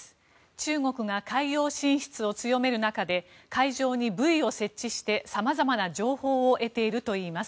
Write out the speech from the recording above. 中国が海洋進出を強める中で海上にブイを設置して様々な情報を得ているといいます。